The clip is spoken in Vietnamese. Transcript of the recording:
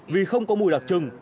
vì không có mùi đặc trưng